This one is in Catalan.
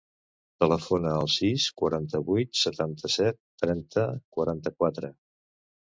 Telefona al sis, quaranta-vuit, setanta-set, trenta, quaranta-quatre.